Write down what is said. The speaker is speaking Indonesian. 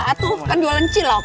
aduh kan jualan cilok